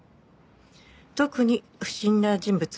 特に不審な人物はいない。